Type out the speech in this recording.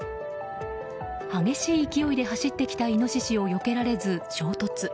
激しい勢いで走ってきたイノシシをよけられず衝突。